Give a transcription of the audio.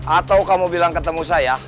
atau kamu bilang ketemu saya